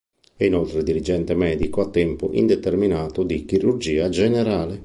È, inoltre Dirigente Medico a tempo indeterminato di Chirurgia Generale.